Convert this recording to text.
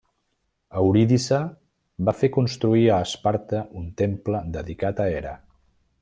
Eurídice va fer construir a Esparta un temple dedicat a Hera.